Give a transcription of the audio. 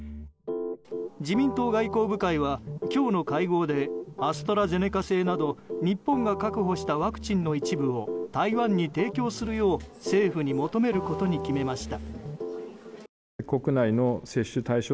自民党外交部会は今日の会合でアストラゼネカ製など日本が確保したワクチンの一部を台湾に提供するよう政府に求めることに決めました。